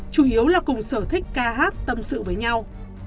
chủ yếu là cùng sở thích ca hát tâm sự với nhau